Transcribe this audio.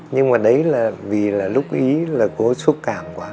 nhưng mà đấy là vì là lúc ý là cố xúc cảm quá